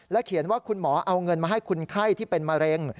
เขียนว่าคุณหมอเอาเงินมาให้คนไข้ที่เป็นมะเร็ง